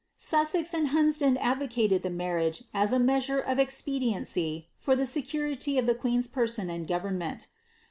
"' Sussex and Hunsdon advocated the marriage a* ■ measure of expediency for the security of the queen's person and fo vemment.